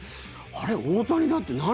あれ、大谷だって。